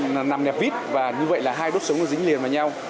chúng ta nằm nẹp vít và như vậy là hai đốt sống nó dính liền vào nhau